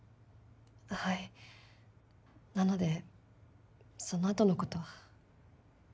はいなのでその後のことは。